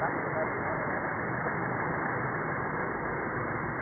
ขอบคุณที่ทำดีดีกับแม่ของฉันหน่อยครับ